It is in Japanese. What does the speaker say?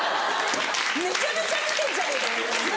めちゃめちゃ見てんじゃねえかよ！